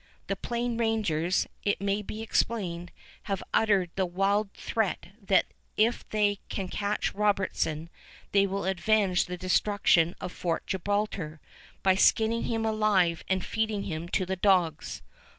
The Plain Rangers, it may be explained, have uttered the wild threat that if they "can catch Robertson," they will avenge the destruction of Fort Gibraltar "by skinning him alive and feeding him to the dogs."